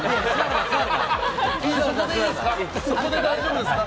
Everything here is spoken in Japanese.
そこで大丈夫ですか？